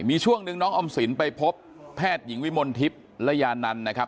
มีช่วงหนึ่งน้องออมสินไปพบแพทย์หญิงวิมลทิพย์และยานันต์นะครับ